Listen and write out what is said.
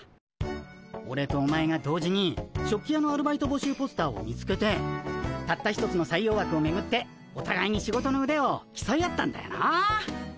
オレとお前が同時に食器屋のアルバイト募集ポスターを見つけてたった一つの採用枠をめぐっておたがいに仕事のうでをきそい合ったんだよなあ。